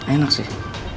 kamu cantik banget jesse